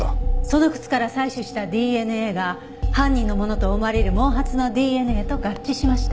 その靴から採取したＤＮＡが犯人のものと思われる毛髪のＤＮＡと合致しました。